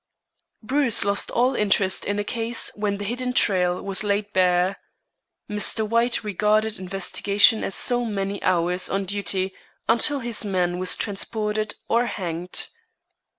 Bruce lost all interest in a case when the hidden trail was laid bare. Mr. White regarded investigation as so many hours on duty until his man was transported or hanged.